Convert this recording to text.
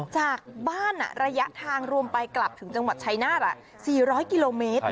จากบ้านระยะทางรวมไปกลับถึงจังหวัดชายนาฏ๔๐๐กิโลเมตร